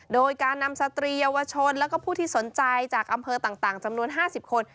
โดยการนำสตรีเยาวชนและผู้ที่สนใจจากอำเภอต่างจำนวน๕๐คน